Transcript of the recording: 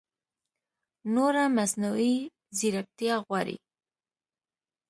نوره مصنعوي ځېرکتیا غواړي